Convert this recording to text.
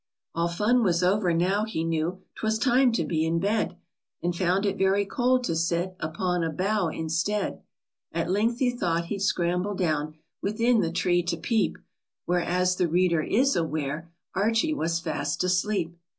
All fun was over now ; he knew 'T was time to be in bed ; And found it very cold to sit Upon a bough instead. At length he thought he'd scram ble down \Mithin the tree to peep ; Where, as the reader is aware, Archie was fast asleep.